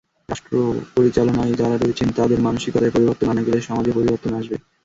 রাষ্ট্র পরিচালনায় যাঁরা রয়েছেন, তাঁদের মানসিকতায় পরিবর্তন আনা গেলে সমাজেও পরিবর্তন আসবে।